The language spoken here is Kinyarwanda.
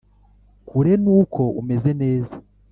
kure nu ko umeze neza